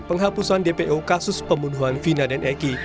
penghapusan dpo kasus pembunuhan vina dan eki